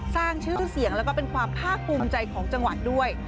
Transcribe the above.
สร้างชื่อเสียงแล้วก็เป็นความภาคภูมิใจของจังหวัดด้วย